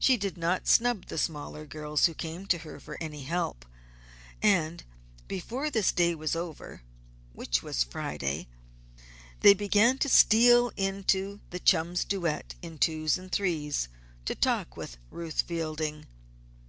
She did not snub the smaller girls who came to her for any help, and before this day was over (which was Friday) they began to steal into the chums' duet, in twos and threes, to talk with Ruth Fielding.